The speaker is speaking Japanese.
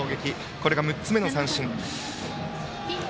これが６つ目の三振。